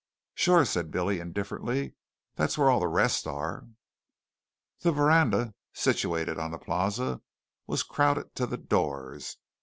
"Sure," said Billy indifferently; "that's where all the rest are." The Verandah, situated on the Plaza, was crowded to the doors.